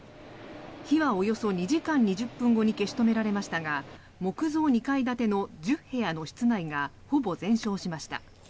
火はおよそ２時間２０分後に消し止められましたが木造２階建ての１０部屋の室内がほぼ全焼しました。